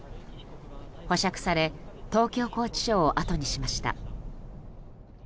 保釈され東京拘置所を後にしました。